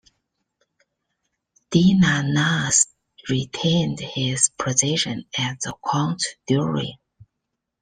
Dina Nath retained his position at the court during.